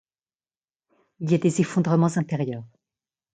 Il y a des effondrements intérieurs.